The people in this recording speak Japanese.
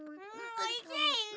おいしい！